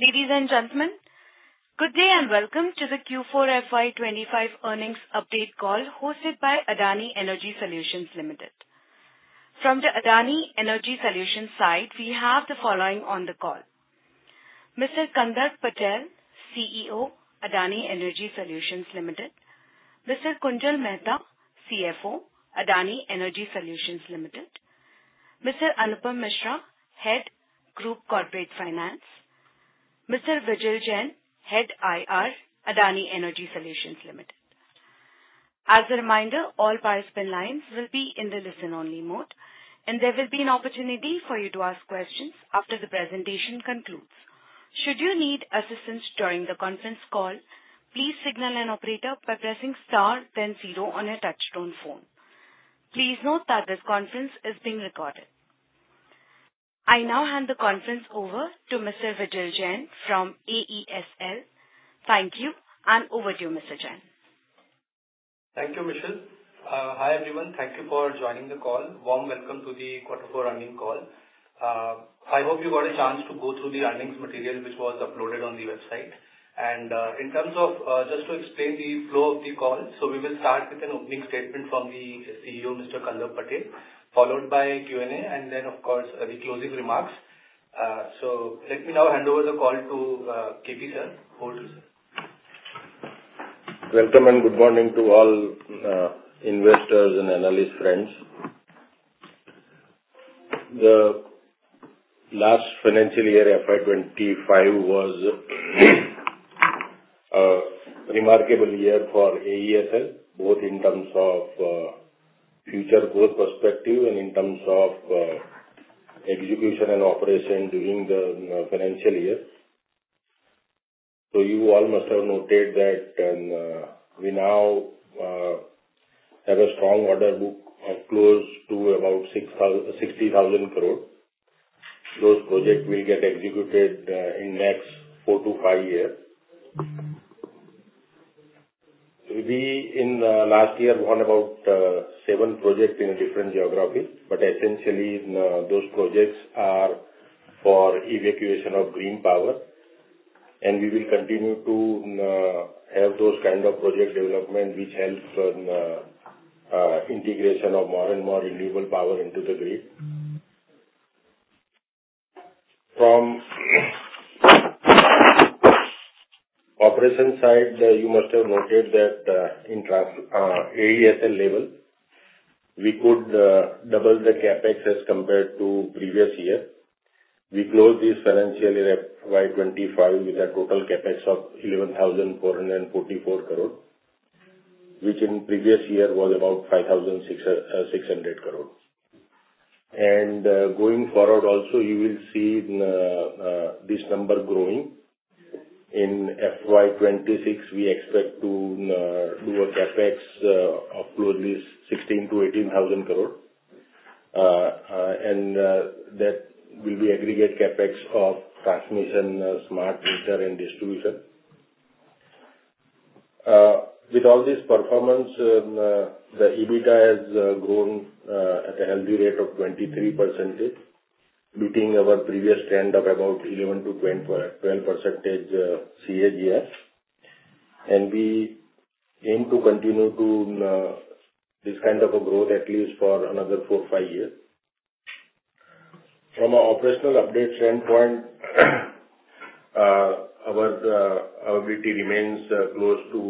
Ladies and gentlemen, good day and welcome to the Q4 FY 2025 earnings update call hosted by Adani Energy Solutions Limited. From the Adani Energy Solutions side, we have the following on the call: Mr. Kandarp Patel, CEO, Adani Energy Solutions Limited; Mr. Kunjal Mehta, CFO, Adani Energy Solutions Limited; Mr. Anupam Misra, Head, Group Corporate Finance; Mr. Vijil Jain, Head, IR, Adani Energy Solutions Limited. As a reminder, all participant lines will be in the listen-only mode, and there will be an opportunity for you to ask questions after the presentation concludes. Should you need assistance during the conference call, please signal an operator by pressing star then zero on a touchstone phone. Please note that this conference is being recorded. I now hand the conference over to Mr. Vijil Jain from AESL. Thank you, and over to you, Mr. Jain. Thank you, Michelle. Hi everyone. Thank you for joining the call. Warm welcome to the quarter four earnings call. I hope you got a chance to go through the earnings material which was uploaded on the website. In terms of just to explain the flow of the call, we will start with an opening statement from the CEO, Mr. Kandarp Patel, followed by Q&A, and then, of course, the closing remarks. Let me now hand over the call to KP sir. Over to you, sir. Welcome and good morning to all investors and analyst friends. The last financial year, 2025, was a remarkable year for AESL, both in terms of future growth perspective and in terms of execution and operation during the financial year. You all must have noted that we now have a strong order book close to about 60,000 crore. Those projects will get executed in the next four to five years. In the last year, we had about seven projects in different geographies, but essentially, those projects are for evacuation of green power. We will continue to have those kinds of project development which help the integration of more and more renewable power into the grid. From the operation side, you must have noted that at AESL level, we could double the CapEx as compared to the previous year. We closed this financial year, FY 2025, with a total CapEx of 11,444 crore, which in the previous year was about 5,600 crore. Going forward, also, you will see this number growing. In FY 2026, we expect to do a CapEx of close to 16,000-18,000 crore, and that will be aggregate CapEx of transmission, smart meter, and distribution. With all this performance, the EBITDA has grown at a healthy rate of 23%, beating our previous trend of about 11-12% CAGR. We aim to continue this kind of growth at least for another four to five years. From an operational update standpoint, our ability remains close to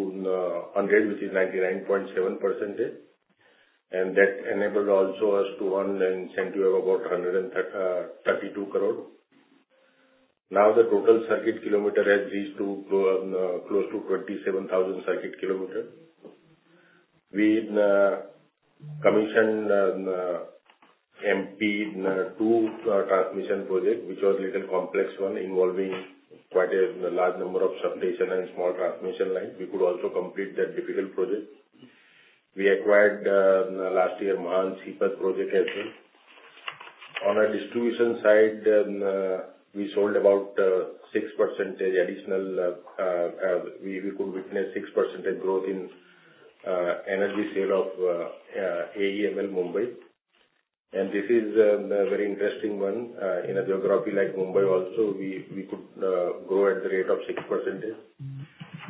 100, which is 99.7%. That enabled also us to earn the incentive of about 132 crore. Now, the total circuit kilometer has reached close to 27,000 circuit kilometers. We commissioned and MP'd two transmission projects, which were a little complex ones involving quite a large number of substations and small transmission lines. We could also complete that difficult project. We acquired last year the Mahan-Sipat project as well. On the distribution side, we sold about 6% additional. We could witness 6% growth in energy sale of AEML Mumbai. This is a very interesting one. In a geography like Mumbai, also, we could grow at the rate of 6%.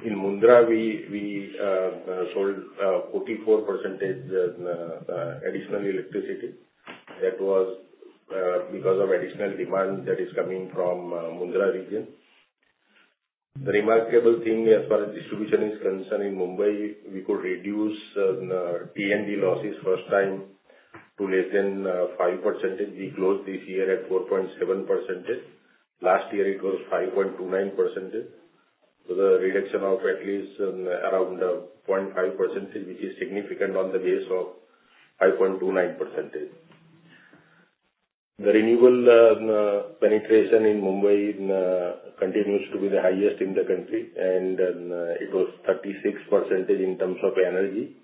In Mundra, we sold 44% additional electricity. That was because of additional demand that is coming from the Mundra region. The remarkable thing as far as distribution is concerned in Mumbai, we could reduce T&D losses first time to less than 5%. We closed this year at 4.7%. Last year, it was 5.29%. The reduction of at least around 0.5%, which is significant on the base of 5.29%. The renewable penetration in Mumbai continues to be the highest in the country, and it was 36% in terms of energy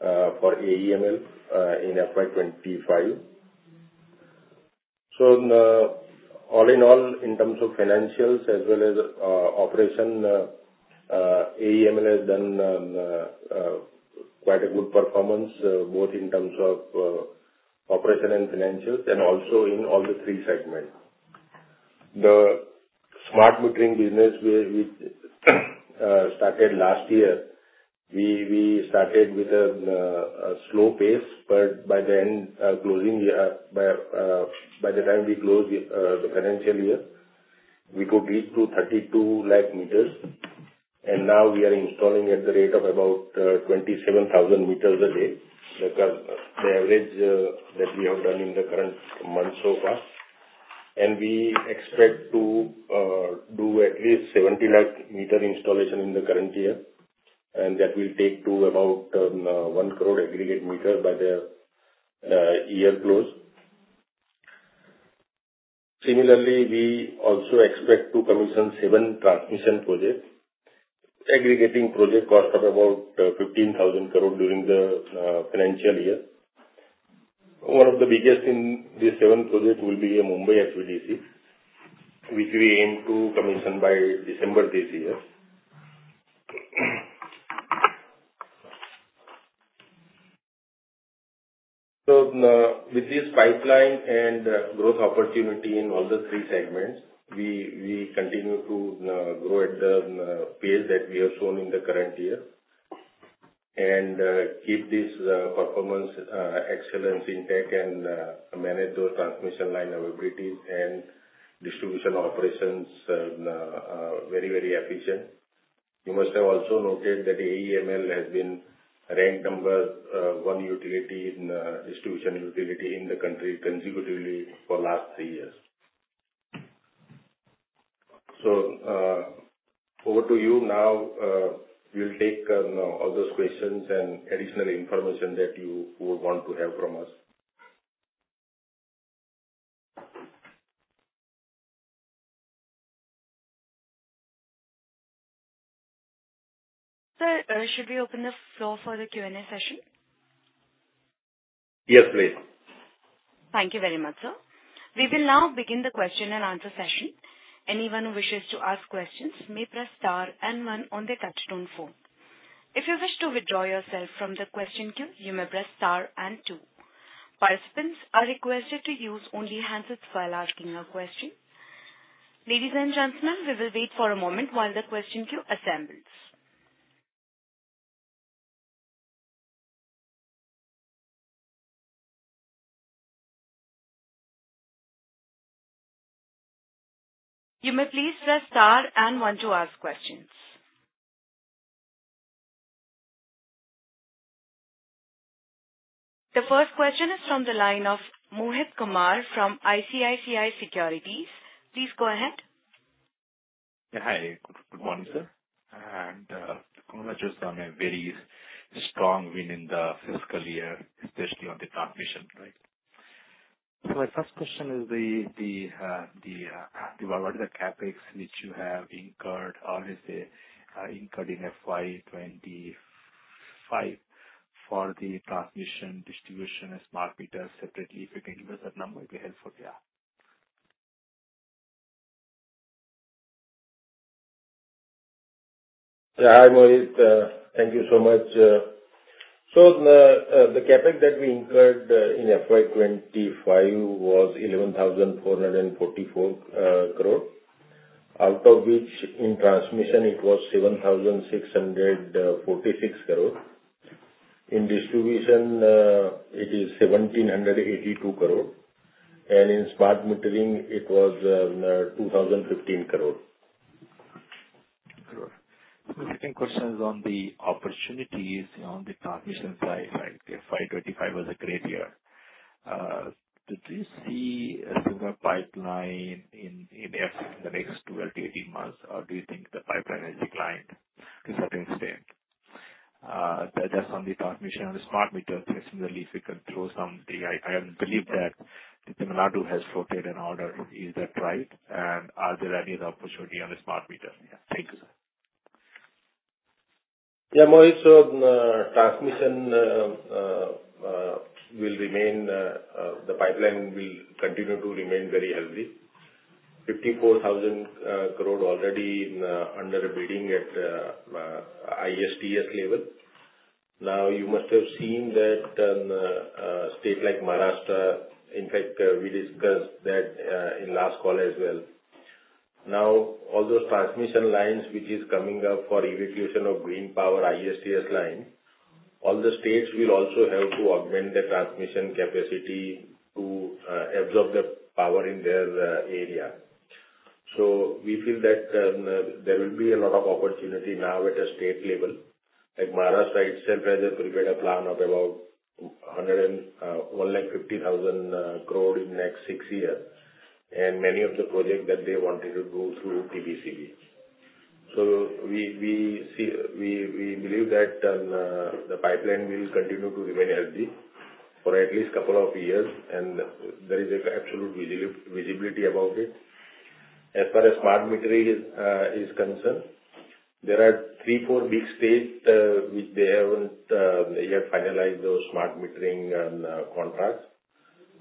for AEML in FY 2025. All in all, in terms of financials as well as operation, AEML has done quite a good performance both in terms of operation and financials and also in all the three segments. The smart metering business, which started last year, we started with a slow pace, but by the time we closed the financial year, we could reach to 3.2 million meters. Now, we are installing at the rate of about 27,000 meters a day. The average that we have done in the current month so far. We expect to do at least 7 million meter installation in the current year, and that will take to about 10 million aggregate meters by the year close. Similarly, we also expect to commission seven transmission projects, aggregating project cost of about 15,000 crore during the financial year. One of the biggest in these seven projects will be a Mumbai HVDC, which we aim to commission by December this year. With this pipeline and growth opportunity in all the three segments, we continue to grow at the pace that we have shown in the current year and keep this performance excellence in tech and manage those transmission line abilities and distribution operations very, very efficient. You must have also noted that AEML has been ranked number one distribution utility in the country consecutively for the last three years. Over to you now. We'll take all those questions and additional information that you would want to have from us. Sir, should we open the floor for the Q&A session? Yes, please. Thank you very much, sir. We will now begin the question and answer session. Anyone who wishes to ask questions may press star and one on the touchstone phone. If you wish to withdraw yourself from the question queue, you may press star and two. Participants are requested to use only hands while asking a question. Ladies and gentlemen, we will wait for a moment while the question queue assembles. You may please press star and one to ask questions. The first question is from the line of Mohit Kumar from ICICI Securities. Please go ahead. Hi. Good morning, sir. The convergence is a very strong win in the fiscal year, especially on the transmission, right? My first question is, what are the CapEx which you have incurred? Are they incurred in FY 2025 for the transmission, distribution, and smart meters separately? If you can give us that number, it will be helpful. Yeah. Yeah. Hi, Mohit. Thank you so much. The CapEx that we incurred in FY 2025 was 11,444 crore, out of which in transmission it was 7,646 crore. In distribution, it is 1,782 crore. In smart metering, it was 2,015 crore. Some questions on the opportunities on the transmission side. FY 2025 was a great year. Do you see a similar pipeline in the next 12 to 18 months, or do you think the pipeline has declined to a certain extent? That is on the transmission and the smart meters. Similarly, if we can throw some, I believe that Tamil Nadu has floated an order. Is that right? Are there any other opportunities on the smart meters? Yeah. Thank you, sir. Yeah, Mohit. Transmission will remain, the pipeline will continue to remain very healthy. 54,000 crore already under bidding at ISTS level. You must have seen that in a state like Maharashtra, in fact, we discussed that in the last call as well. All those transmission lines which are coming up for evacuation of green power, ISTS lines, all the states will also have to augment their transmission capacity to absorb the power in their area. We feel that there will be a lot of opportunity now at a state level. Maharashtra itself has a prepared plan of about 150,000 crore in the next six years, and many of the projects that they wanted to go through TBCB. We believe that the pipeline will continue to remain healthy for at least a couple of years, and there is absolute visibility about it. As far as smart metering is concerned, there are three or four big states which they haven't yet finalized those smart metering contracts.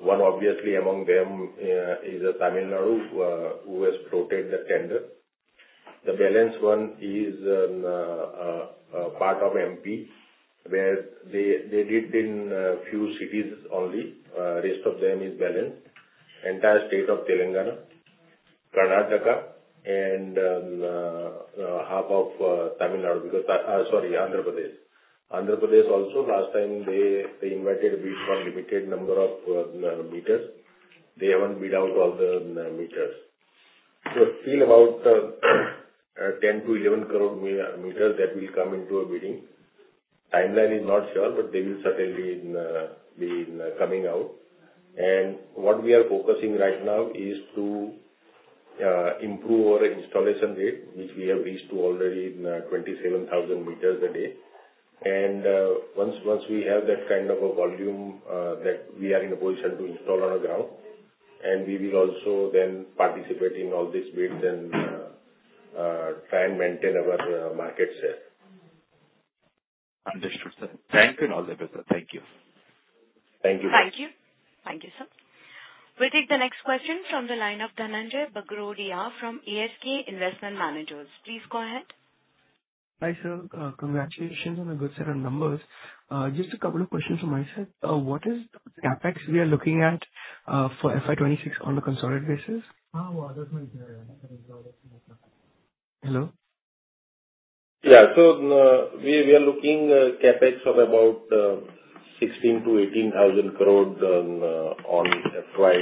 One, obviously, among them is Tamil Nadu, who has floated the tender. The balanced one is part of Madhya Pradesh, where they did it in a few cities only. The rest of them is balanced. The entire state of Telangana, Karnataka, and half of Tamil Nadu because sorry, Andhra Pradesh. Andhra Pradesh also, last time they invited a bid for a limited number of meters. They haven't bid out all the meters. I feel about 10-11 crore meters that will come into a bidding. The timeline is not sure, but they will certainly be coming out. What we are focusing on right now is to improve our installation rate, which we have reached to already 27,000 meters a day. Once we have that kind of a volume, we are in a position to install on the ground. We will also then participate in all these bids and try and maintain our market share. Understood, sir. Thank you in all the way, sir. Thank you. Thank you. Thank you. Thank you, sir. We'll take the next question from the line of Dhananjay Bagrodia from ASK Investment Managers. Please go ahead. Hi, sir. Congratulations on a good set of numbers. Just a couple of questions from my side. What is the CapEx we are looking at for FY 2026 on a consolidated basis? Hello? Yeah. We are looking at CapEx of about 16,000-18,000 crore on FY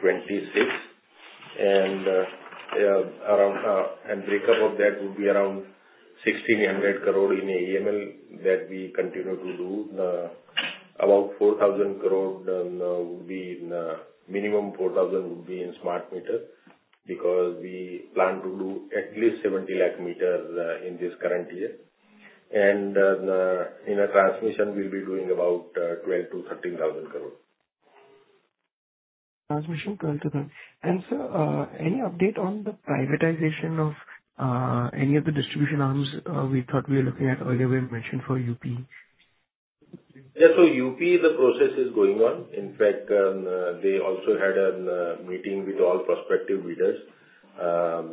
2026. The breakup of that would be around 1,600 crore in AEML that we continue to do. About 4,000 crore would be, minimum 4,000 would be in smart meters because we plan to do at least 7 million meters in this current year. In transmission, we will be doing about 12,000-13,000 crore. Transmission, 12 to 13. Sir, any update on the privatization of any of the distribution arms we thought we were looking at earlier we mentioned for UP? Yeah. UP, the process is going on. In fact, they also had a meeting with all prospective bidders. All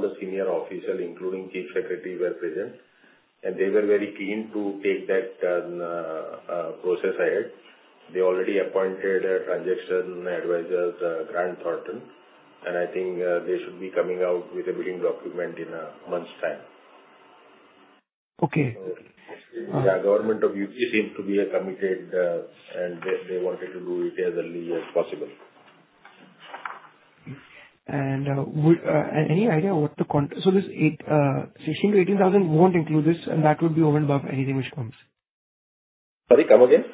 the senior officials, including Chief Secretary, were present. They were very keen to take that process ahead. They already appointed a transaction advisor, Grant Thornton. I think they should be coming out with a bidding document in a month's time. Okay. Yeah. The government of UP seems to be committed, and they wanted to do it as early as possible. Any idea what the, so this 16-18 thousand will not include this, and that would be over and above anything which comes? Sorry, come again?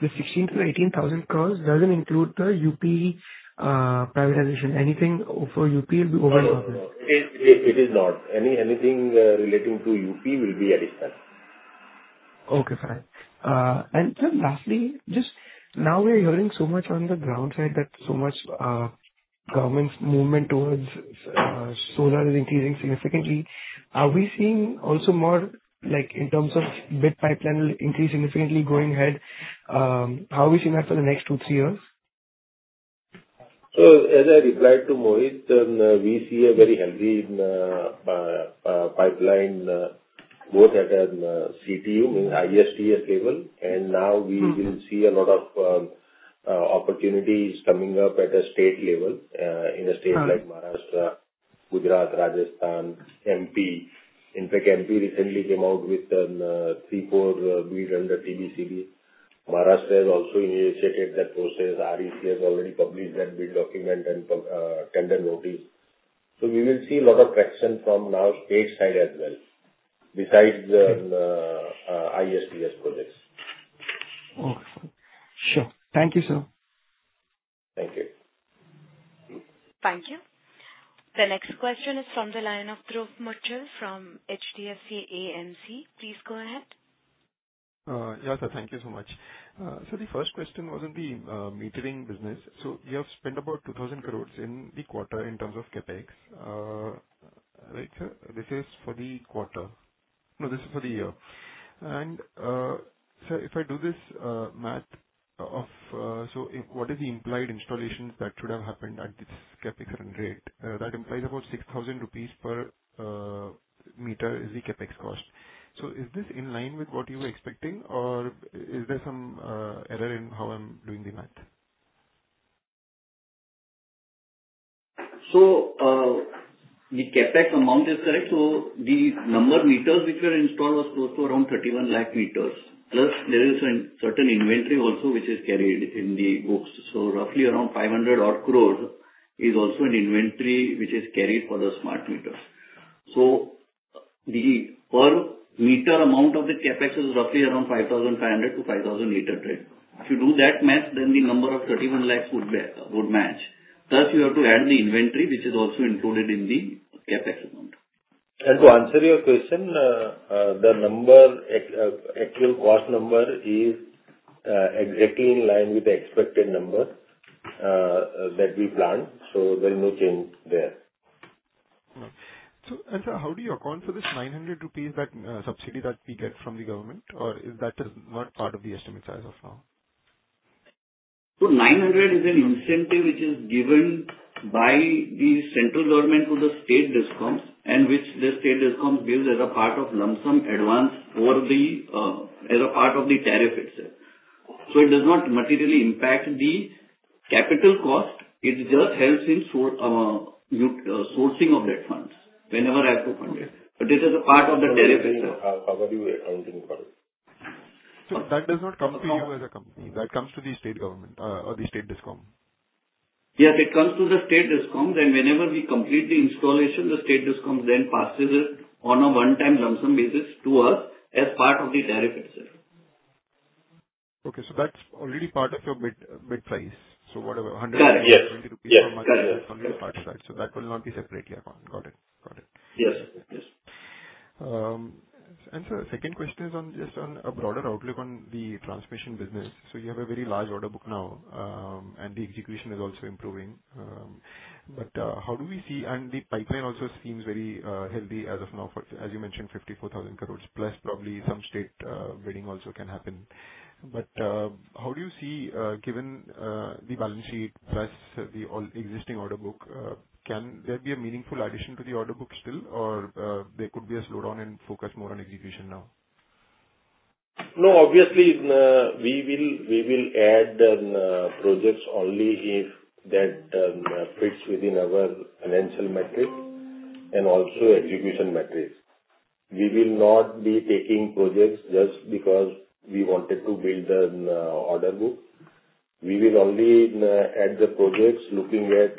The 16,000-18,000 crore doesn't include the UP privatization. Anything for UP will be over and above it. It is not. Anything relating to UP will be additional. Okay. Sir, lastly, just now we're hearing so much on the ground side that so much government movement towards solar is increasing significantly. Are we seeing also more in terms of bid pipeline increase significantly going ahead? How are we seeing that for the next two, three years? As I replied to Mohit, we see a very healthy pipeline both at CTU, meaning ISTS level. Now we will see a lot of opportunities coming up at a state level in a state like Maharashtra, Gujarat, Rajasthan, MP. In fact, MP recently came out with three-four bids under TBCB. Maharashtra has also initiated that process. REC has already published that bid document and tender notice. We will see a lot of traction from now state side as well, besides the ISTS projects. Okay. Sure. Thank you, sir. Thank you. Thank you. The next question is from the line of Dhruv Mitchell from HDFC AMC. Please go ahead. Yeah, sir. Thank you so much. The first question was on the metering business. You have spent about 2,000 crore in the quarter in terms of CapEx, right, sir? This is for the quarter. No, this is for the year. Sir, if I do this math of what is the implied installations that should have happened at this CapEx rate, that implies about 6,000 rupees per meter is the CapEx cost. Is this in line with what you were expecting, or is there some error in how I'm doing the math? The CapEx amount is correct. The number of meters which were installed was close to around 3.1 million meters. Plus, there is a certain inventory also which is carried in the books. Roughly around 500 crore is also an inventory which is carried for the smart meters. The per meter amount of the CapEx is roughly around 5,500 to 5,000 per meter, right? If you do that math, then the number of 3.1 million would match. You have to add the inventory which is also included in the CapEx amount. To answer your question, the actual cost number is exactly in line with the expected number that we planned. There is no change there. Sir, how do you account for this 900 rupees, that subsidy that we get from the government, or is that not part of the estimates as of now? 900 is an incentive which is given by the central government to the state discoms, and which the state discoms give as a part of lump sum advance as a part of the tariff itself. It does not materially impact the capital cost. It just helps in sourcing of that funds whenever I have to fund it. It is a part of the tariff itself. How are you accounting for it? That does not come to you as a company. That comes to the state government or the state discom? Yes, it comes to the state discom. Whenever we complete the installation, the state discom then passes it on a one-time lump sum basis to us as part of the tariff itself. Okay. That is already part of your bid price. Whatever, INR 120 per meter, it is already part of that. That will not be separately accounted. Got it. Got it. Yes. Yes. Sir, the second question is just on a broader outlook on the transmission business. You have a very large order book now, and the execution is also improving. How do we see, and the pipeline also seems very healthy as of now, as you mentioned, 54,000 crore, plus probably some state bidding also can happen. How do you see, given the balance sheet plus the existing order book, can there be a meaningful addition to the order book still, or there could be a slowdown and focus more on execution now? No, obviously, we will add projects only if that fits within our financial metrics and also execution metrics. We will not be taking projects just because we wanted to build the order book. We will only add the projects looking at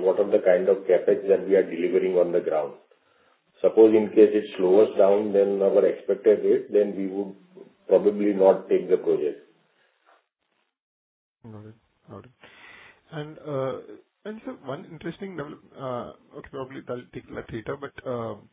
what are the kind of CapEx that we are delivering on the ground. Suppose in case it slows down than our expected rate, then we would probably not take the project. Got it. Got it. Sir, one interesting development, probably I will take that a little later, but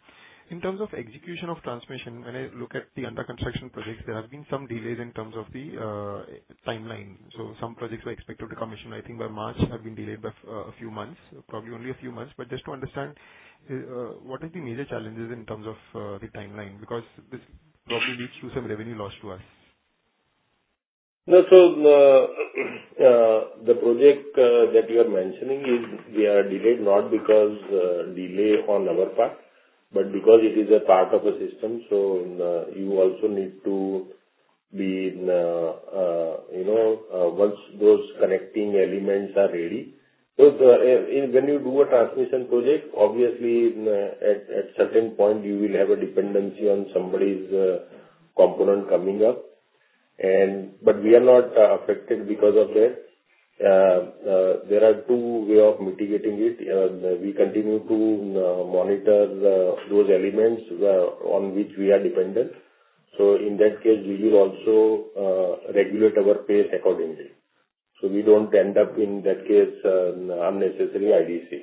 in terms of execution of transmission, when I look at the under-construction projects, there have been some delays in terms of the timeline. Some projects were expected to commission, I think by March, have been delayed by a few months, probably only a few months. Just to understand, what are the major challenges in terms of the timeline? Because this probably leads to some revenue loss to us. No, sir, the project that you are mentioning is we are delayed not because of delay on our part, but because it is a part of a system. You also need to be once those connecting elements are ready. When you do a transmission project, obviously, at a certain point, you will have a dependency on somebody's component coming up. We are not affected because of that. There are two ways of mitigating it. We continue to monitor those elements on which we are dependent. In that case, we will also regulate our pace accordingly. We do not end up in that case unnecessary IDC.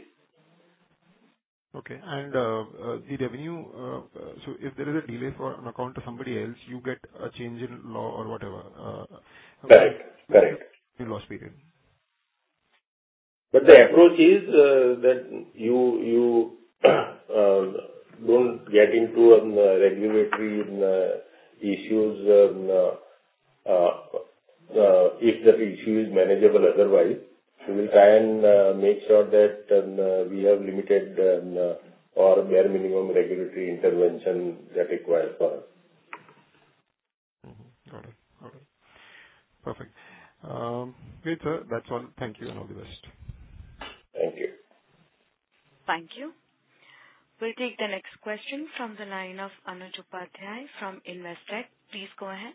Okay. The revenue, if there is a delay on account of somebody else, you get a change in law or whatever? Correct. Correct. Loss period. The approach is that you don't get into regulatory issues if that issue is manageable otherwise. We will try and make sure that we have limited or bare minimum regulatory intervention that requires for us. Got it. Got it. Perfect. Great, sir. That's all. Thank you, and all the best. Thank you. Thank you. We'll take the next question from the line of Anuj Upadhyay from Investec. Please go ahead.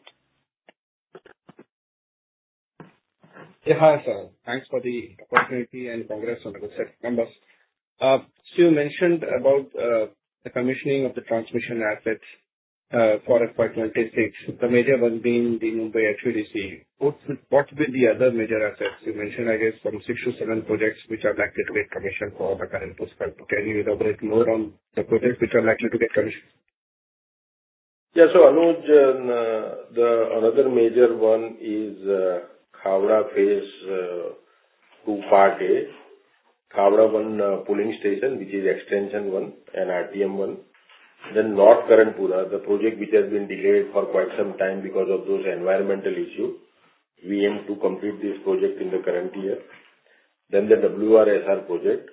Yeah. Hi, sir. Thanks for the opportunity and congrats on the website, members. You mentioned about the commissioning of the transmission assets for FY 2026, the major one being the Mumbai HVDC. What will be the other major assets you mentioned, I guess, from six to seven projects which are likely to get commissioned for the current fiscal? Can you elaborate more on the projects which are likely to get commissioned? Yeah. Anuj, another major one is Khavda phase II part A. Khavda 1 pooling station, which is extension 1 and RTM 1. North Karanpura, the project which has been delayed for quite some time because of those environmental issues. We aim to complete this project in the current year. The WRSR project.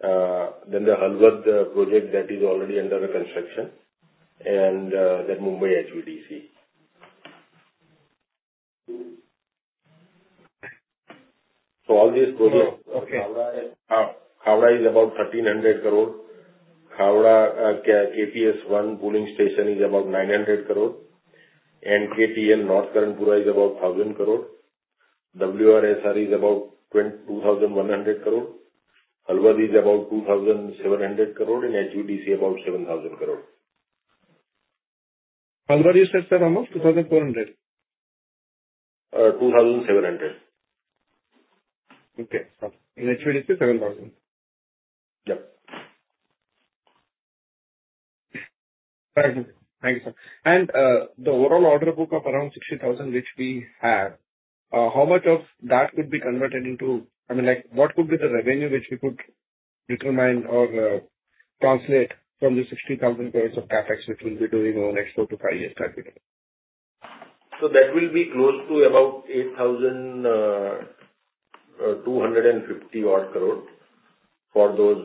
The Halwad project that is already under construction. Mumbai HVDC. All these projects. Khavda is about 1,300 crore. Khavda KPS 1 pooling station is about 900 crore. NKTLNorth Karanpura is about 1,000 crore. WRSR is about 2,100 crore. Halwad is about 2,700 crore. HUDC is about 7,000 crore. Halwad, you said, sir, almost 2,400? 2,700. Okay. In HVDC, 7,000. Yeah. Thank you, sir. Thank you, sir. The overall order book of around 60,000 crore which we have, how much of that could be converted into, I mean, what could be the revenue which we could determine or translate from the 60,000 crore of CapEx which we'll be doing over the next four to five years? That will be close to about 8,250 crore for those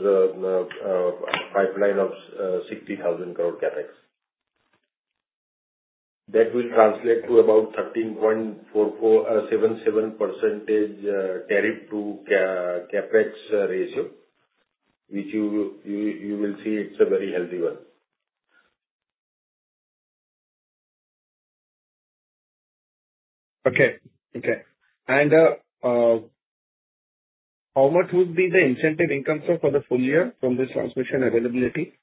pipeline of 60,000 crore CapEx. That will translate to about 13.77% tariff to CapEx ratio, which you will see it's a very healthy one. Okay. Okay. How much would be the incentive income, sir, for the full year from this transmission availability?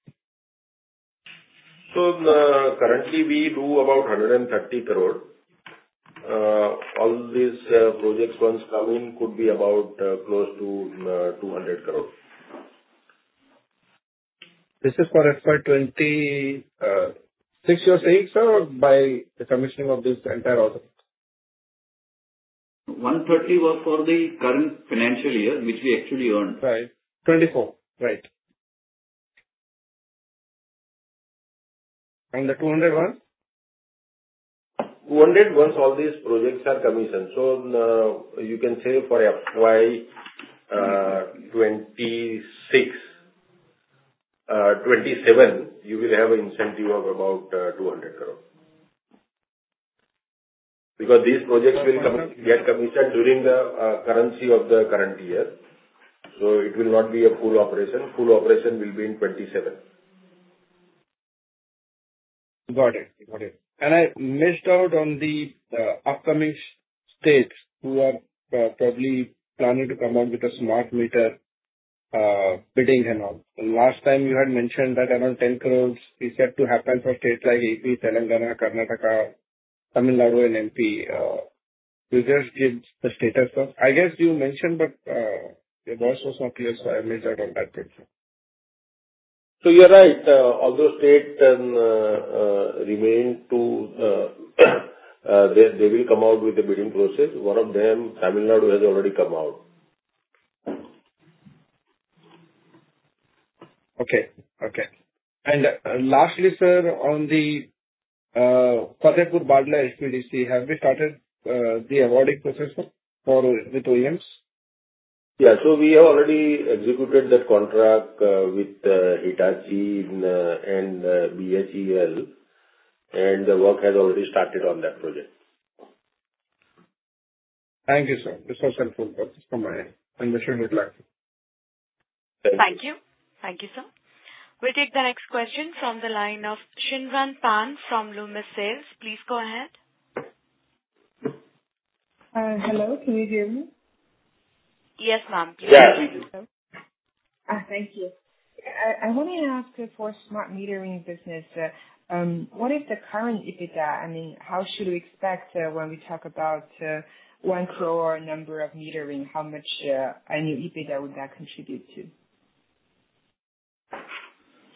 Currently, we do about 130 crore. All these projects, once come in, could be about close to 200 crore. This is for FY 2026, sir, or by the commissioning of this entire order? 130 was for the current financial year which we actually earned. Right. Twenty-four. Right. And the two hundred was? 200 once all these projects are commissioned. You can say for FY 2026, 27, you will have an incentive of about 200 crore. Because these projects will get commissioned during the currency of the current year. It will not be a full operation. Full operation will be in 2027. Got it. Got it. I missed out on the upcoming states who are probably planning to come out with a smart meter bidding and all. Last time, you had mentioned that around 10 crore is yet to happen for states like Andhra Pradesh, Telangana, Karnataka, Tamil Nadu, and Madhya Pradesh. Will they just give the status of, I guess you mentioned, but your voice was not clear, so I missed out on that question. You're right. Although states remain, they will come out with the bidding process. One of them, Tamil Nadu, has already come out. Okay. Okay. Lastly, sir, on the Fatehpur-Bhadla HVDC, have we started the awarding process with OEMs? Yeah. We have already executed that contract with Hitachi and BHEL. The work has already started on that project. Thank you, sir. This was helpful from my end. I'm wishing you luck. Thank you. Thank you. Thank you, sir. We'll take the next question from the line of Xinran Pan from Loomis, Sayles. Please go ahead. Hello. Can you hear me? Yes, ma'am. Please do. Yes. Thank you. I want to ask for smart metering business. What is the current EBITDA? I mean, how should we expect when we talk about 1 crore number of metering? How much annual EBITDA would that contribute to?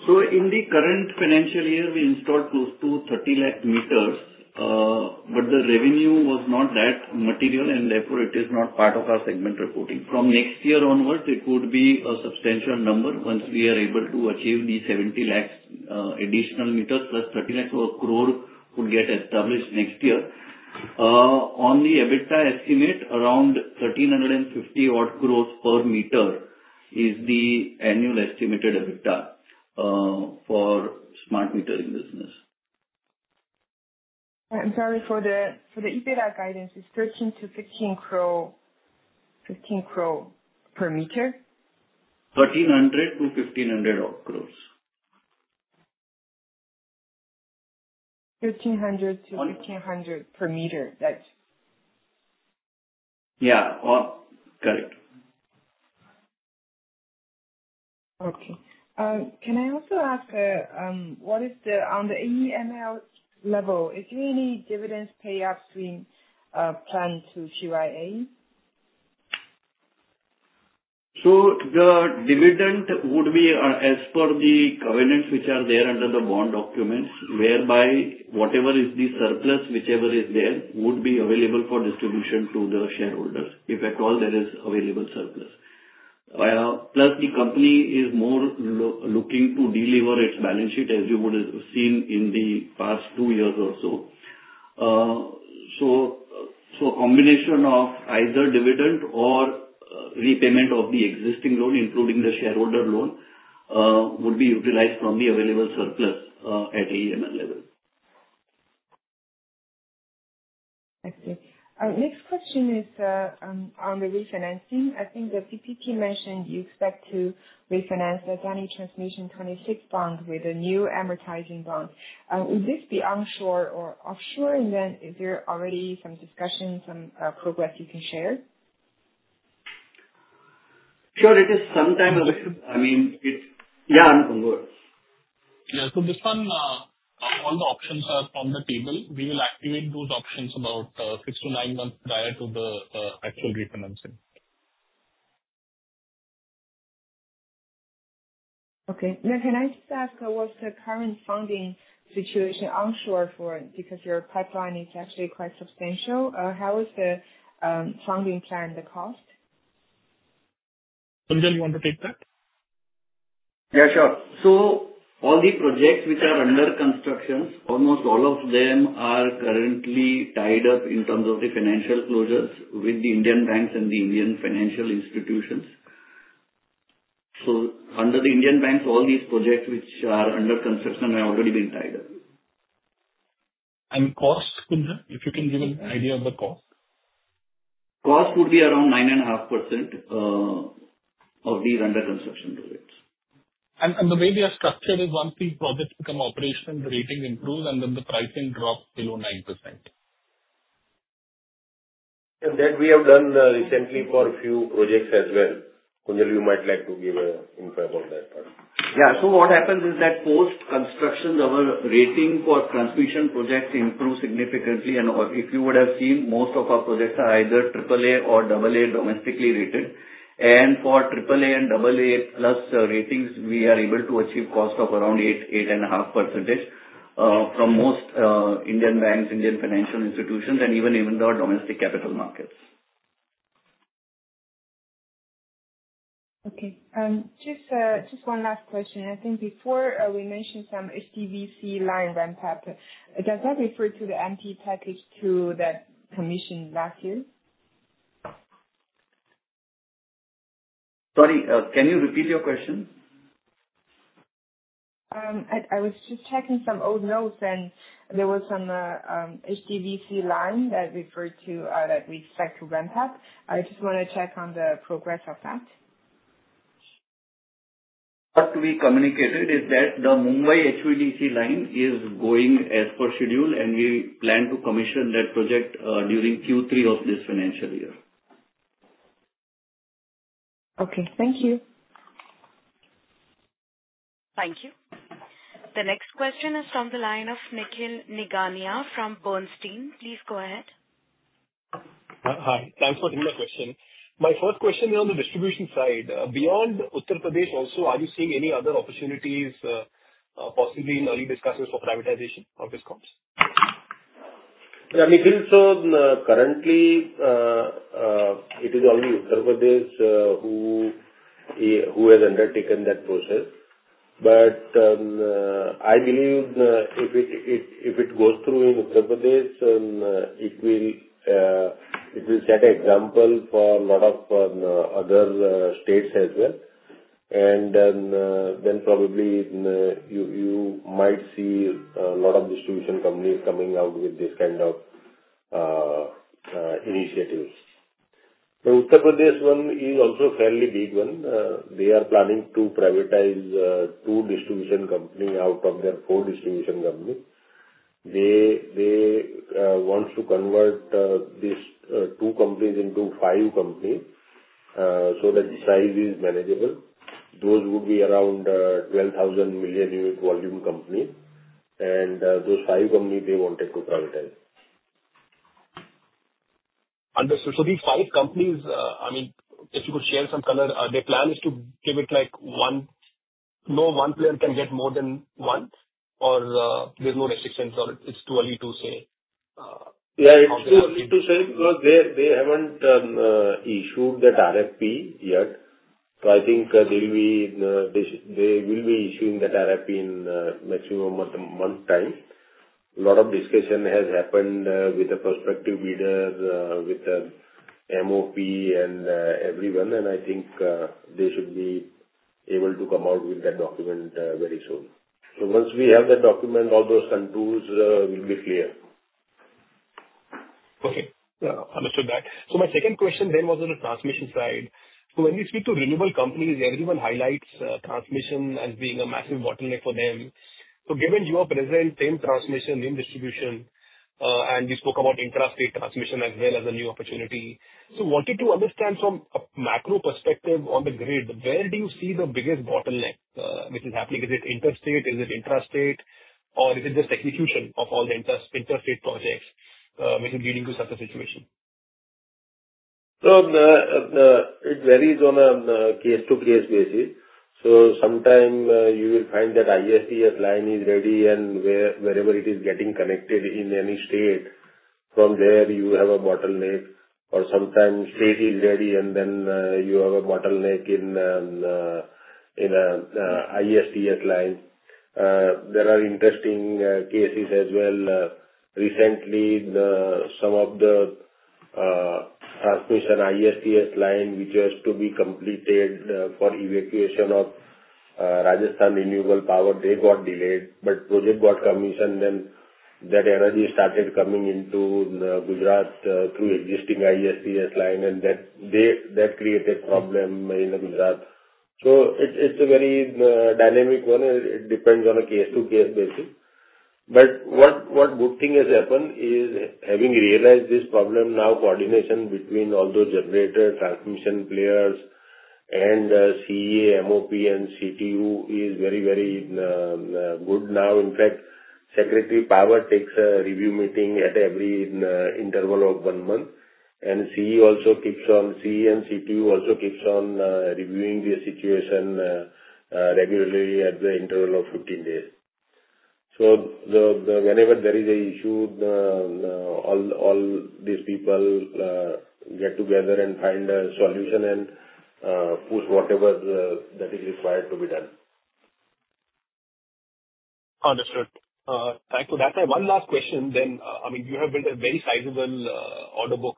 In the current financial year, we installed close to 3 million meters. The revenue was not that material, and therefore, it is not part of our segment reporting. From next year onwards, it could be a substantial number once we are able to achieve the 7 million additional meters plus 3 million or 10 million could get established next year. On the EBITDA estimate, around 1,350 per meter is the annual estimated EBITDA for smart metering business. I'm sorry. For the EBITDA guidance, it's 13 crore-15 crore per meter? 1,300-1,500 crore. 1,300-1,500 per meter. That's? Yeah. Correct. Okay. Can I also ask, on the AEML level, is there any dividends payout stream planned to QIA? The dividend would be as per the covenants which are there under the bond documents, whereby whatever is the surplus, whichever is there, would be available for distribution to the shareholders if at all there is available surplus. Plus, the company is more looking to deliver its balance sheet as you would have seen in the past two years or so. A combination of either dividend or repayment of the existing loan, including the shareholder loan, would be utilized from the available surplus at AEML level. I see. Our next question is on the refinancing. I think the PPT mentioned you expect to refinance the Adani Transmission 26 bond with a new amortizing bond. Would this be onshore or offshore? Is there already some discussion, some progress you can share? Sure. It is sometimes, I mean, yeah, incongruous. Yeah. This one, all the options are from the table. We will activate those options about six to nine months prior to the actual refinancing. Okay. Now, can I just ask, what's the current funding situation onshore for because your pipeline is actually quite substantial? How is the funding planned, the cost? Kunjal, you want to take that? Yeah, sure. All the projects which are under construction, almost all of them are currently tied up in terms of the financial closures with the Indian banks and the Indian financial institutions. Under the Indian banks, all these projects which are under construction have already been tied up. Cost, Kunjal? If you can give an idea of the cost. Cost would be around 9.5% of these under construction projects. The way they are structured is once these projects become operational, the rating improves, and then the pricing drops below 9%. That we have done recently for a few projects as well. Kunjal, you might like to give input about that part. Yeah. What happens is that post-construction, our rating for transmission projects improves significantly. If you would have seen, most of our projects are either AAA or AA domestically rated. For AAA and AA plus ratings, we are able to achieve cost of around 8-8.5% from most Indian banks, Indian financial institutions, and even the domestic capital markets. Okay. Just one last question. I think before we mentioned some HVDC line ramp-up. Does that refer to the MP package two that commissioned last year? Sorry. Can you repeat your question? I was just checking some old notes, and there was some SDVC line that referred to that we expect to ramp up. I just want to check on the progress of that. What we communicated is that the Mumbai HVDC line is going as per schedule, and we plan to commission that project during Q3 of this financial year. Okay. Thank you. Thank you. The next question is from the line of Nikhil Nigania from Bernstein. Please go ahead. Hi. Thanks for taking the question. My first question is on the distribution side. Beyond Uttar Pradesh also, are you seeing any other opportunities, possibly in early discussions for privatization of these comps? Yeah. Nikhil, currently, it is only Uttar Pradesh who has undertaken that process. I believe if it goes through in Uttar Pradesh, it will set an example for a lot of other states as well. You might see a lot of distribution companies coming out with this kind of initiatives. The Uttar Pradesh one is also a fairly big one. They are planning to privatize two distribution companies out of their four distribution companies. They want to convert these two companies into five companies so that the size is manageable. Those would be around 12,000 million unit volume companies. Those five companies, they wanted to privatize. Understood. These five companies, I mean, if you could share some color, their plan is to give it like one, no, one player can get more than one, or there's no restrictions, or it's too early to say? Yeah. It's too early to say because they haven't issued the RFP yet. I think they will be issuing that RFP in maximum one month time. A lot of discussion has happened with the prospective bidder, with the MOP and everyone. I think they should be able to come out with that document very soon. Once we have that document, all those contours will be clear. Okay. Understood that. My second question then was on the transmission side. When we speak to renewable companies, everyone highlights transmission as being a massive bottleneck for them. Given your present same transmission, same distribution, and we spoke about intrastate transmission as well as a new opportunity, I wanted to understand from a macro perspective on the grid, where do you see the biggest bottleneck which is happening? Is it interstate? Is it intrastate? Or is it just execution of all the interstate projects which is leading to such a situation? It varies on a case-to-case basis. Sometimes you will find that ISTS line is ready, and wherever it is getting connected in any state, from there you have a bottleneck. Sometimes state is ready, and then you have a bottleneck in ISTS line. There are interesting cases as well. Recently, some of the transmission ISTS line which has to be completed for evacuation of Rajasthan Renewable Power, they got delayed. Project got commissioned, and that energy started coming into Gujarat through existing ISTS line, and that created problem in Gujarat. It is a very dynamic one. It depends on a case-to-case basis. What good thing has happened is having realized this problem, now coordination between all those generator, transmission players, and CEA, MOP, and CTU is very, very good now. In fact, Secretary Power takes a review meeting at every interval of one month. CEA and CTU also keep on reviewing the situation regularly at the interval of 15 days. Whenever there is an issue, all these people get together and find a solution and push whatever that is required to be done. Understood. Thank you. That's my one last question then. I mean, you have built a very sizable order book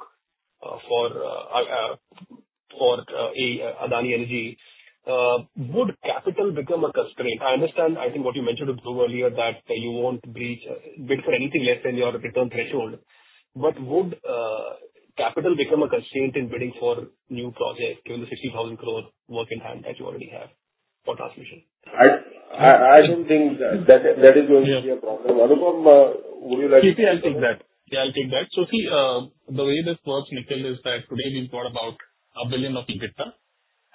for Adani Energy. Would capital become a constraint? I understand, I think, what you mentioned to Dhruv earlier, that you won't bid for anything less than your return threshold. Would capital become a constraint in bidding for new projects, given the 16,000 crore work in hand that you already have for transmission? I don't think that is going to be a problem. Anupam, would you like to? Yeah, I'll take that. See, the way this works, Nikhil, is that today we've got about $1 billion of EBITDA,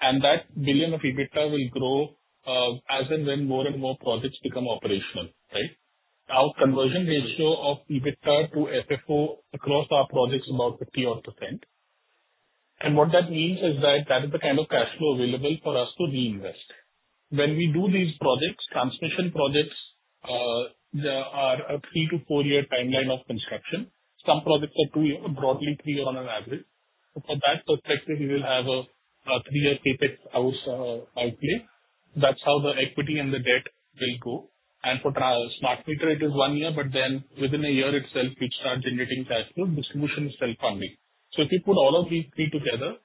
and that $1 billion of EBITDA will grow as and when more and more projects become operational, right? Our conversion ratio of EBITDA to FFO across our projects is about 50% odd. What that means is that that is the kind of cash flow available for us to reinvest. When we do these projects, transmission projects, there is a three- to four-year timeline of construction. Some projects are broadly three years on average. From that perspective, we will have a three-year CapEx outlay. That's how the equity and the debt will go. For smart meter, it is one year, but then within a year itself, you'd start generating cash flow. Distribution is self-funding. If you put all of these three together,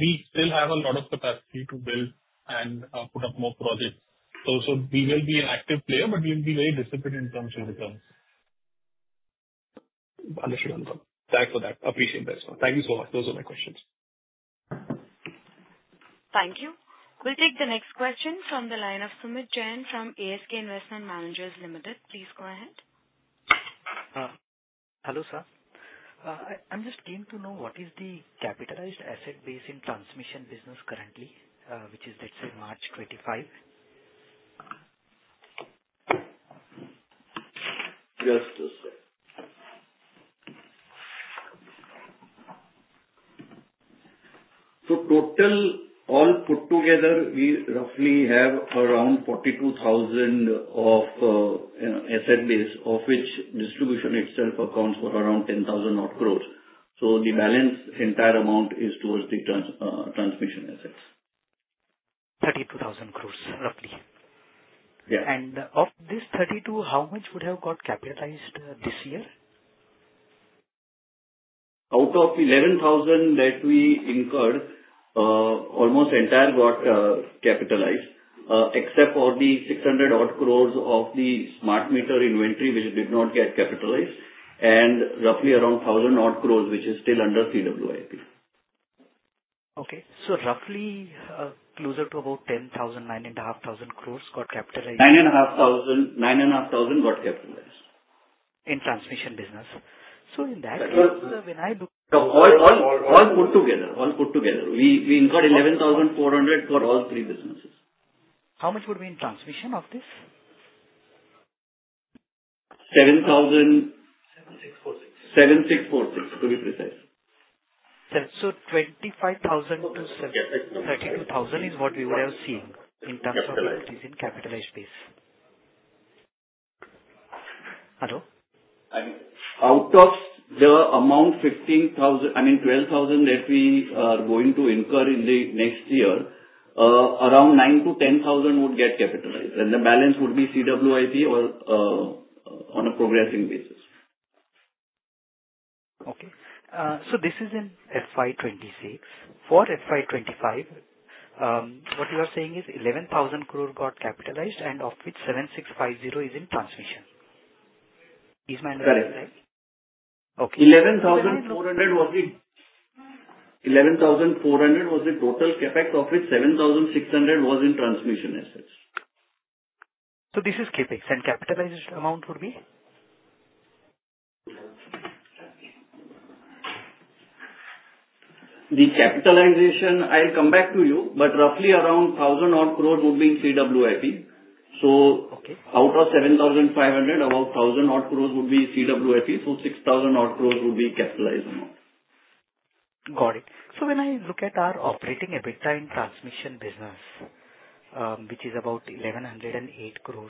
we still have a lot of capacity to build and put up more projects. We will be an active player, but we'll be very disciplined in terms of returns. Understood, Anupam. Thanks for that. Appreciate that as well. Thank you so much. Those were my questions. Thank you. We'll take the next question from the line of Sumit Jain from ASK Investment Managers Limited. Please go ahead. Hello, sir. I'm just keen to know what is the capitalized asset base in transmission business currently, which is, let's say, March 2025? Yes, just a sec. Total, all put together, we roughly have around 42,000 crore of asset base, of which distribution itself accounts for around 10,000 crore. The balance entire amount is towards the transmission assets. 32,000 crore, roughly. Of this 32, how much would have got capitalized this year? Out of 11,000 that we incurred, almost entire got capitalized, except for the 600-odd crore of the smart meter inventory, which did not get capitalized, and roughly around 1,000-odd crore, which is still under CWIP. Okay. So roughly closer to about 10,000 crore, 9,500 crore got capitalized? 9,500 got capitalized. In transmission business. In that case, when I look at. All put together, all put together, we incurred 11,400 for all three businesses. How much would be in transmission of this? 7,646. 7,646, to be precise. Twenty-five thousand to thirty-two thousand is what we would have seen in terms of what is in capitalized base. Hello? Out of the amount, 15,000, I mean, 12,000 that we are going to incur in the next year, around 9,000-10,000 would get capitalized. The balance would be CWIP on a progressing basis. Okay. This is in FY 2026. For FY 2025, what you are saying is 11,000 crore got capitalized, and of which 7,650 is in transmission. Is my understanding right? Correct. 11,400 was the 11,400 was the total CapEx, of which 7,600 was in transmission assets. This is CapEx. And capitalized amount would be? The capitalization, I'll come back to you, but roughly around 1,000-odd crore would be in CWIP. Out of 7,500, about 1,000-odd crore would be CWIP. 6,000-odd crore would be capitalized amount. Got it. When I look at our operating EBITDA in transmission business, which is about 1,108 crore,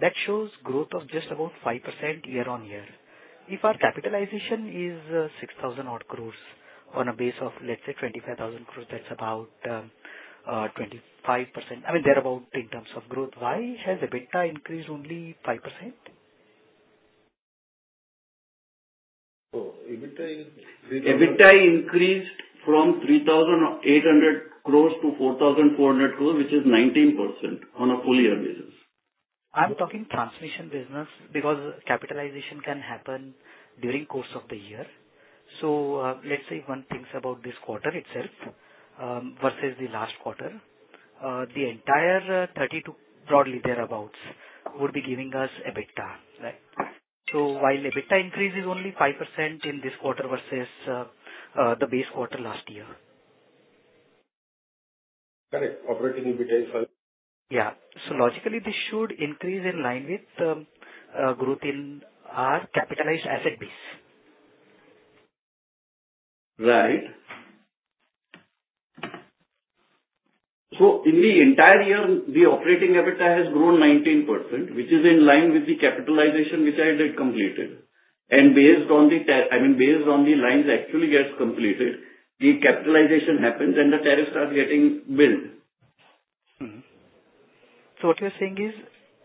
that shows growth of just about 5% year on year. If our capitalization is 6,000-odd crore on a base of, let's say, 25,000 crore, that's about 25%. I mean, thereabout in terms of growth. Why has EBITDA increased only 5%? EBITDA increased from 3,800 crore to 4,400 crore, which is 19% on a full-year basis. I'm talking transmission business because capitalization can happen during the course of the year. Let's say one thinks about this quarter itself versus the last quarter, the entire 32, broadly thereabouts, would be giving us EBITDA, right? While EBITDA increases only 5% in this quarter versus the base quarter last year. Correct. Operating EBITDA is 5. Yeah. Logically, this should increase in line with the growth in our capitalized asset base. Right. In the entire year, the operating EBITDA has grown 19%, which is in line with the capitalization which I had completed. I mean, based on the lines actually gets completed, the capitalization happens, and the tariff starts getting billed. What you're saying is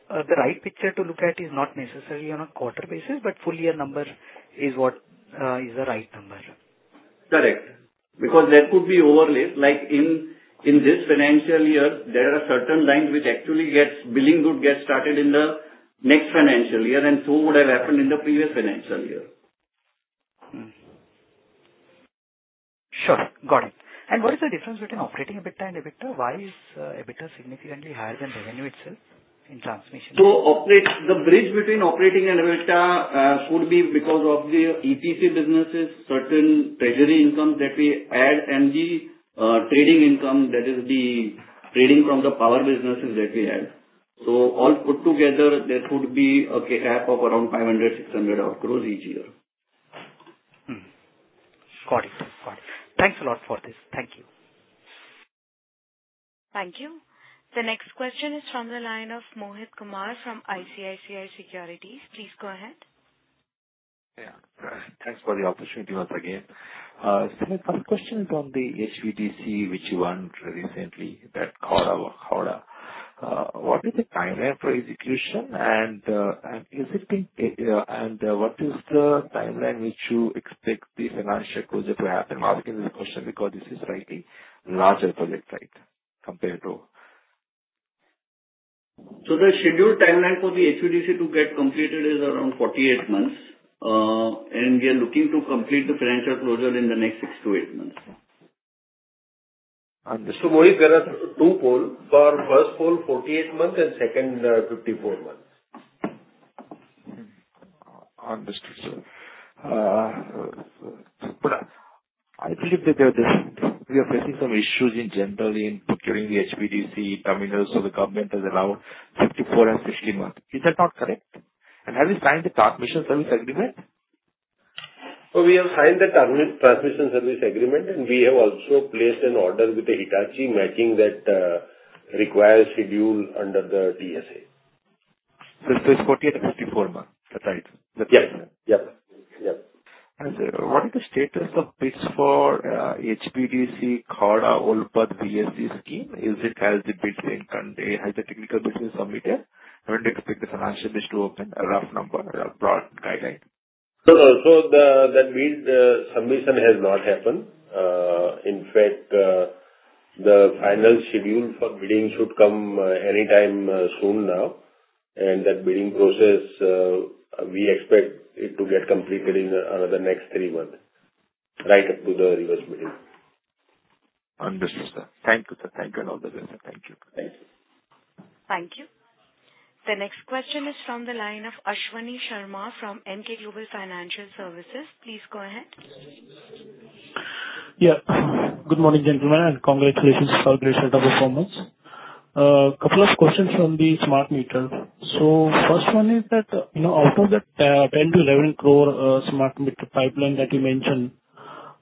the right picture to look at is not necessarily on a quarter basis, but full-year number is what is the right number. Correct. Because there could be overlay. Like in this financial year, there are certain lines which actually get billing would get started in the next financial year, and so would have happened in the previous financial year. Sure. Got it. What is the difference between operating EBITDA and EBITDA? Why is EBITDA significantly higher than revenue itself in transmission? The bridge between operating and EBITDA could be because of the EPC businesses, certain treasury incomes that we add, and the trading income that is the trading from the power businesses that we add. All put together, there could be a gap of around 500 crore-600 crore each year. Got it. Got it. Thanks a lot for this. Thank you. Thank you. The next question is from the line of Mohit Kumar from ICICI Securities. Please go ahead. Yeah. Thanks for the opportunity once again. My first question is on the HVDC, which you won recently, that Khavda or Khavda. What is the timeline for execution, and is it being, and what is the timeline which you expect the financial closure to happen? I'm asking this question because this is slightly larger project site compared to. The scheduled timeline for the HVDC to get completed is around 48 months, and we are looking to complete the financial closure in the next six to eight months. Understood. Mohit, there are two polls. First poll, 48 months, and second, 54 months. Understood. I believe that we are facing some issues in general in procuring the HVDC terminals, so the government has allowed 54 and 60 months. Is that not correct? Have you signed the transmission service agreement? We have signed the transmission service agreement, and we have also placed an order with Hitachi matching that required schedule under the TSA. It is 48-54 months. That is right. Yes. Yep. What is the status of bids for HVDC, Khavda, Olpad, VSC scheme? Has the technical bids been submitted? When do you expect the financial base to open? A rough number, a broad guideline. That bids submission has not happened. In fact, the final schedule for bidding should come anytime soon now. That bidding process, we expect it to get completed in another next three months, right up to the reverse bidding. Understood, sir. Thank you, sir. Thank you, Anupam. Thank you. Thank you. Thank you. The next question is from the line of Ashwani Sharma from Emkay Global Financial Services. Please go ahead. Yeah. Good morning, gentlemen, and congratulations for great set of performance. A couple of questions from the smart meter. First one is that out of that 10-11 crore smart meter pipeline that you mentioned,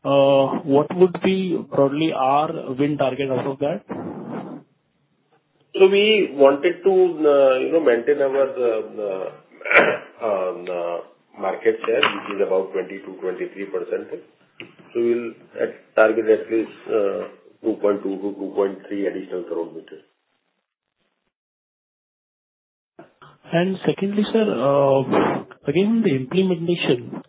what would be probably our win target out of that? We wanted to maintain our market share, which is about 22-23%. We'll target at least 2.2-2.3 additional crore meters. Secondly, sir, again, the implementation.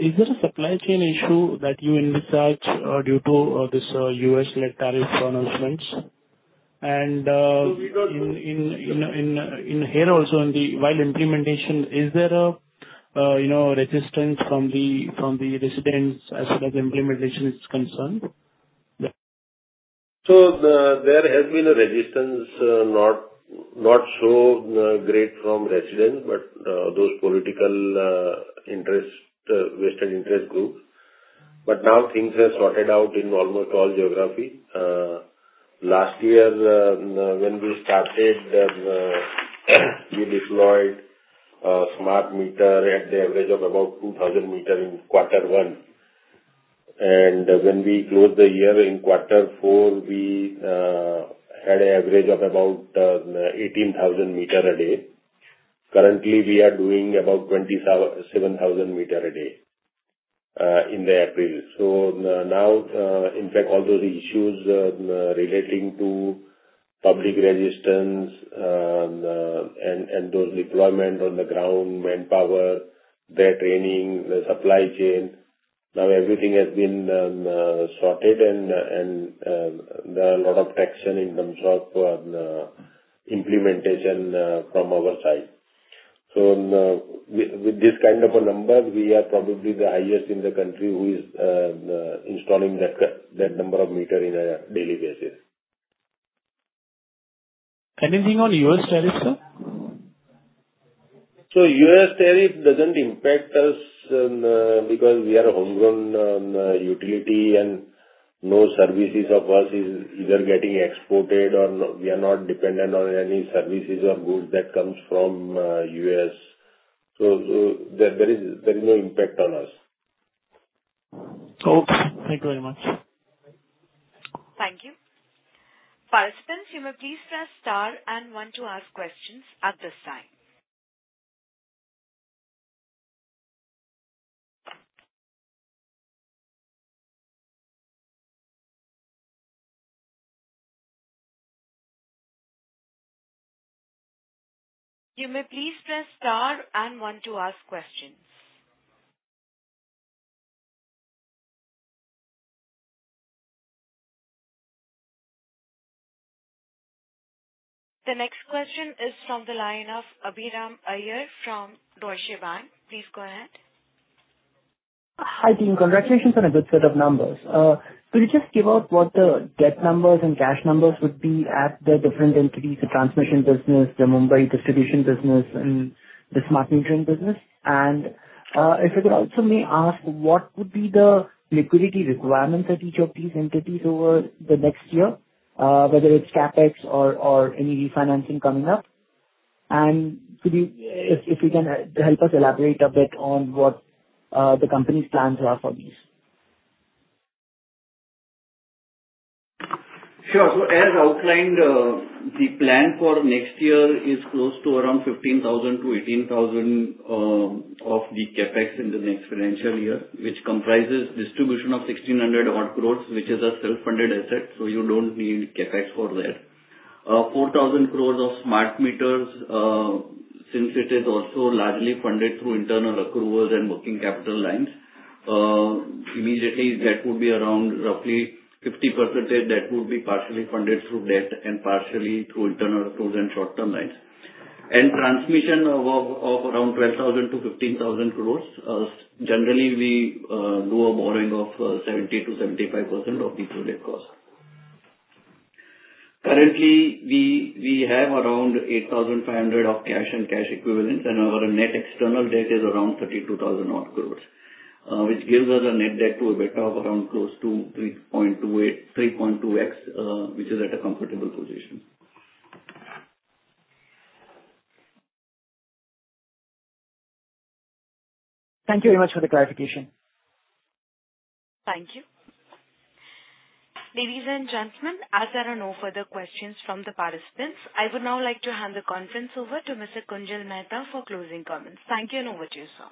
Is there a supply chain issue that you in dispatch due to this US-led tariff announcements? In here also, while implementation, is there a resistance from the residents as far as implementation is concerned? There has been a resistance, not so great from residents, but those political interests, Western interest groups. Now things have sorted out in almost all geography. Last year, when we started, we deployed smart meter at the average of about 2,000 meter in quarter one. When we closed the year in quarter four, we had an average of about 18,000 meter a day. Currently, we are doing about 27,000 meter a day in April. Now, in fact, all those issues relating to public resistance and those deployment on the ground, manpower, their training, the supply chain, now everything has been sorted, and there are a lot of action in terms of implementation from our side. With this kind of a number, we are probably the highest in the country who is installing that number of meter in a daily basis. Anything on U.S. tariffs, sir? U.S. tariff does not impact us because we are a homegrown utility, and no services of us is either getting exported or we are not dependent on any services or goods that comes from the U.S. There is no impact on us. Okay. Thank you very much. Thank you. Participants, you may please press star and one to ask questions at this time. You may please press star and one to ask questions. The next question is from the line of Abhiram Iyer from Deutsche Bank. Please go ahead. Hi, team. Congratulations on a good set of numbers. Could you just give out what the debt numbers and cash numbers would be at the different entities, the transmission business, the Mumbai distribution business, and the smart metering business? If you could also may ask, what would be the liquidity requirements at each of these entities over the next year, whether it's CapEx or any refinancing coming up? If you can help us elaborate a bit on what the company's plans are for these. Sure. As outlined, the plan for next year is close to around 15,000-18,000 of the CapEx in the next financial year, which comprises distribution of 1,600-odd crore, which is a self-funded asset, so you do not need CapEx for that. 4,000 crore of smart meters, since it is also largely funded through internal accruals and working capital lines, immediately that would be around roughly 50% that would be partially funded through debt and partially through internal accruals and short-term lines. Transmission of around 12,000-15,000 crore, generally we do a borrowing of 70%-75% of the total cost. Currently, we have around 8,500 of cash and cash equivalents, and our net external debt is around 32,000-odd crore, which gives us a net debt to EBITDA of around close to 3.2x, which is at a comfortable position. Thank you very much for the clarification. Thank you. Ladies and gentlemen, as there are no further questions from the participants, I would now like to hand the conference over to Mr. Kunjal Mehta for closing comments. Thank you and over to you, sir.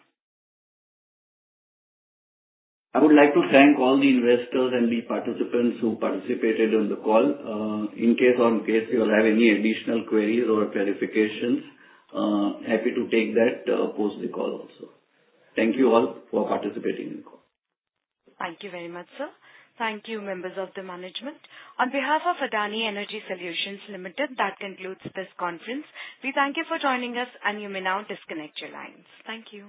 I would like to thank all the investors and the participants who participated in the call. In case you have any additional queries or clarifications, happy to take that post the call also. Thank you all for participating in the call. Thank you very much, sir. Thank you, members of the management. On behalf of Adani Energy Solutions Limited, that concludes this conference. We thank you for joining us, and you may now disconnect your lines. Thank you.